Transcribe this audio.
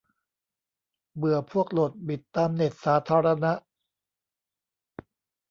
เบื่อพวกโหลดบิทตามเน็ตสาธารณะ